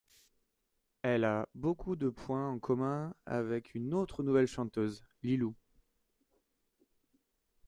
Elle a beaucoup de points en commun avec une autre nouvelle chanteuse, Lylloo.